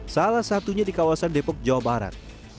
salah satunya di kawasan depok jawa barat